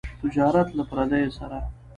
تجارت له پرديو سره.